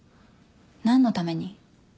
何のために？